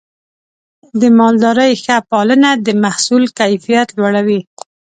د مالدارۍ ښه پالنه د محصول کیفیت لوړوي.